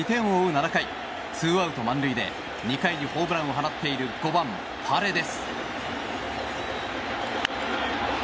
７回ツーアウト満塁で２回にホームランを放っている５番、パレデス。